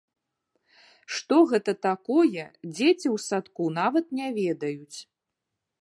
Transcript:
Што гэта такое, дзеці ў садку нават не ведаюць.